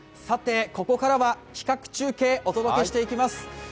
ここからは企画中継、おとどけしていきます。